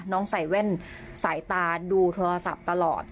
ใส่แว่นสายตาดูโทรศัพท์ตลอด